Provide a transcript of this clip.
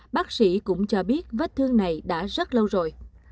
bác sĩ cũng cho biết vết thương này đã rất lâu rồi